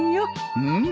うん？